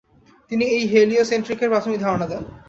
তিনি এই হেলিওসেন্ট্রিকের প্রাথমিক ধারণা দেন।